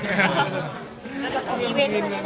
อเรนนี่ไว้ก่อนไหนครับ